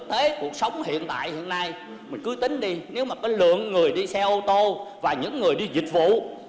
thì cứ tính đi nếu mà có lượng người đi xe ô tô và những người đi dịch vụ